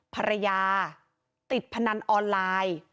ภรรยาติดพนันออนไลน์